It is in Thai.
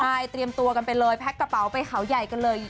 ใช่เตรียมตัวกันไปเลยแพ็คกระเป๋าไปเขาใหญ่กันเลย